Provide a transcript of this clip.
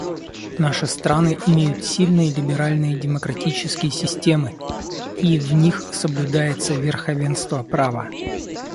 Наши страны имеют сильные либеральные демократические системы, и в них соблюдается верховенство права.